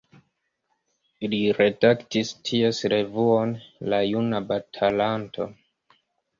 Li redaktis ties revuon La Juna Batalanto.